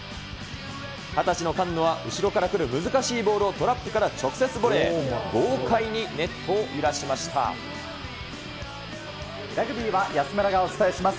２０歳の菅野は後ろから来る難しいボールをトラップから直接ボレラグビーは安村がお伝えします。